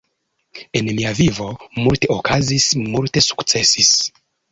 En mia vivo, multe okazis, multe sukcesis